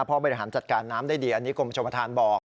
เพราะบริหารจัดการน้ำได้ดีอันนี้กรมชมธานบอก